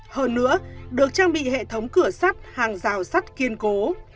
hơn nữa được trang bị hệ thống cửa sắt hàng rào sắt kiên cố